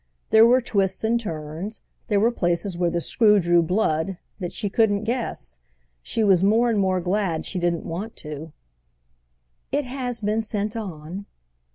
There were twists and turns, there were places where the screw drew blood, that she couldn't guess. She was more and more glad she didn't want to. "It has been sent on."